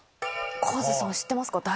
カズさん知ってますか？